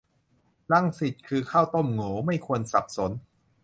รังสิตคือข้าวต้มโหงว ไม่ควรสับสน